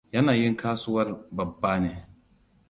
Yanayin kasuwar babbane.